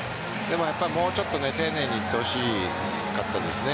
ただ、もうちょっと丁寧にいってほしかったですね